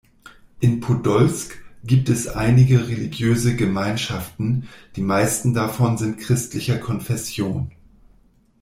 In Podolsk gibt es einige religiöse Gemeinschaften, die meisten davon sind christlicher Konfession.